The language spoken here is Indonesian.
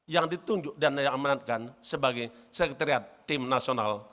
yang ditunjuk dan yang amanatkan sebagai sekretariat tim nasional